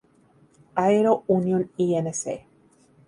Aero Union, Inc.